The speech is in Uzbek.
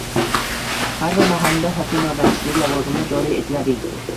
Har bir mahallada hokim yordamchisi lavozimi joriy etilading